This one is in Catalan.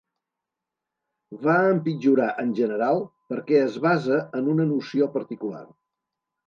Va empitjorar, en general, perquè es basa en una noció particular.